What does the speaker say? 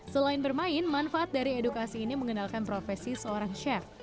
selain bermain manfaat dari edukasi ini mengenalkan profesi seorang chef